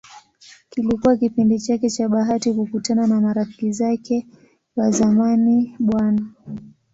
Kilikuwa kipindi chake cha bahati kukutana na marafiki zake wa zamani Bw.